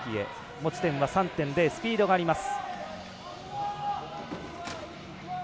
持ち点は３．０スピードがあります。